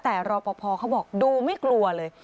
แต่รอปภเขาบอกดูไม่กลัวเลย